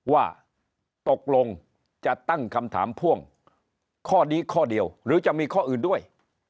ว่าตกลงจะตั้งคำถามพ่วงข้อนี้ข้อเดียวหรือจะมีข้ออื่นด้วย